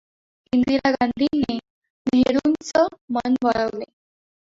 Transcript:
इंदिरा गांधीने नेहरुंचे मन वळवले.